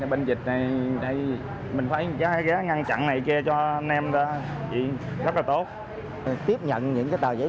bệnh dịch này mình phải ngăn chặn này kia cho anh em đó rất là tốt tiếp nhận những cái tờ giấy